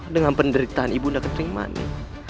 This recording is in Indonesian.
dengan penderitaan ibunda kenting mane